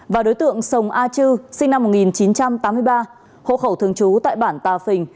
và đối tượng sông a chư sinh năm một nghìn chín trăm tám mươi ba hộ khẩu thường trú tại bản tà phình